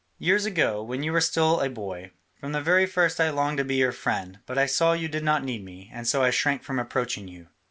Years ago, when you were still a boy, from the very first I longed to be your friend, but I saw you did not need me, and so I shrank from approaching you.